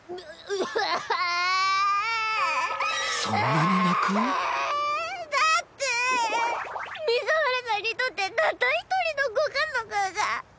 うわん！だって水原さんにとってたった一人のご家族が。